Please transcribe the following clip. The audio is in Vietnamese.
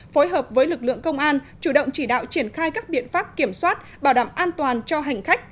phối hợp với lực lượng công an chủ động chỉ đạo triển khai các biện pháp kiểm soát bảo đảm an toàn cho hành khách